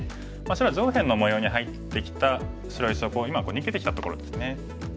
白は上辺の模様に入ってきた白石を逃げてきたところですね。